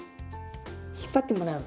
引っ張ってもらう。